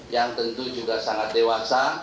yang tentu juga sangat dewasa